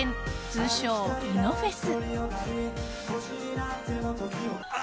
通称イノフェス。